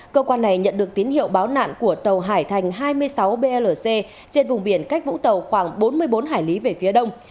cơ quan này nhận được tín hiệu báo nạn của tàu hải thành hai mươi sáu blc trên vùng biển cách vũng tàu khoảng bốn mươi bốn hải lý về phía đông